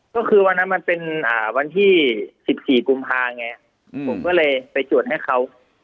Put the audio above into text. ก็คือวันนั้นมันเป็นวันที่๑๔กุมภาไงผมก็เลยไปจวดให้เขา